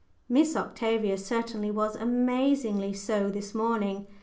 Miss Octavia certainly was amazingly so this morning.